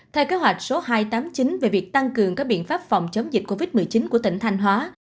theo kế hoạch số hai trăm tám mươi chín về việc tăng cường các biện pháp phòng chống dịch covid một mươi chín của tỉnh thanh hóa